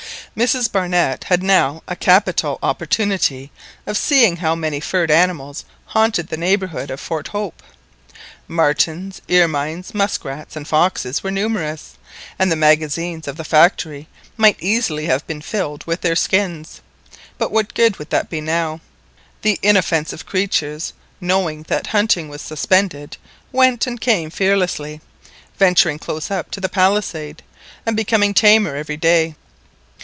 Mrs Barnett had now a capital opportunity of seeing how many furred animals haunted the neighbourhood of Fort Hope. Martens, ermines, musk rats, and foxes were numerous, and the magazines of the factory might easily have been filled with their skins, but what good would that be now? The inoffensive creatures, knowing that hunting was suspended, went and came fearlessly, venturing close up to the palisade, and becoming tamer every day.